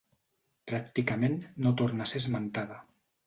Pràcticament no torna a ser esmentada.